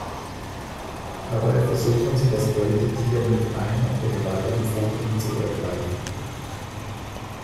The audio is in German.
Dabei versuchen sie das Beutetier mit einer oder beiden Pfoten zu ergreifen.